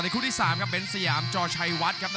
กรุงฝาพัดจินด้า